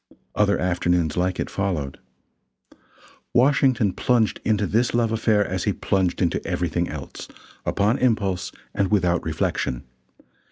Other afternoons like it followed. Washington plunged into this love affair as he plunged into everything else upon impulse and without reflection.